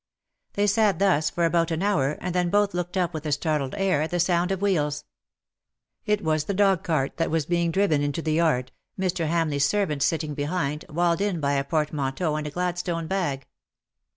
They sat thus for about an hour, and then both looked up with a startled air, at the sound of wheels. It was the dog cart that was being driven into the yard, Mr. Haml eights servant sitting behind, walled in by a portmanteau and a Gladstone bag.